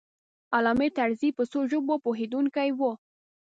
علامه طرزی په څو ژبو پوهېدونکی و.